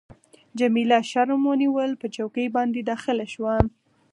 جميله شرم ونیول، پر چوکۍ باندي داخله شوه.